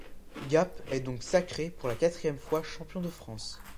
Gap est donc sacré pour la quatrième fois champion de France.